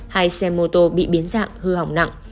hai xe mô tô bị biến dạng hư hỏng nặng